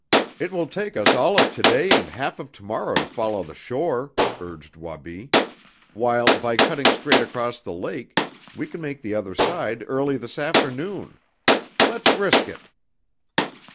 "It will take us all of to day and half of to morrow to follow the shore," urged Wabi, "while by cutting straight across the lake we can make the other side early this afternoon. Let's risk it!"